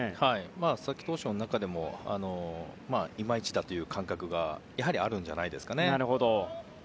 佐々木投手の中でもいまいちだという感覚があるんじゃないですかね。